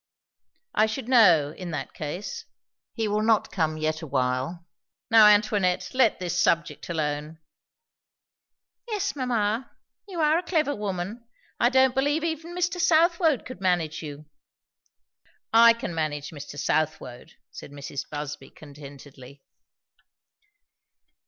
"I should know, in that case. He will not come yet a while. Now Antoinette, let this subject alone." "Yes, mamma. You are a clever woman. I don't believe even Mr. Southwode could manage you." "I can manage Mr. Southwode!" said Mrs. Busby contentedly.